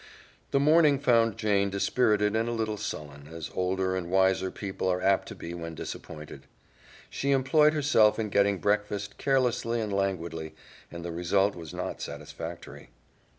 The morning found Jane dispirited and a little sullen, as older and wiser people are apt to be when disappointed. She employed herself in getting breakfast carelessly and languidly, and the result was not satisfactory.